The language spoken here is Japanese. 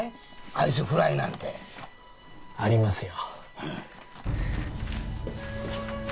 アイスフライなんてありますよ・